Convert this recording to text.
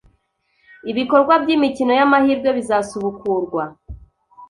Ibikorwa by’imikino y’amahirwe bizasubukurwa